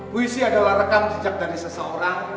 puisi adalah rekam jejak dari seseorang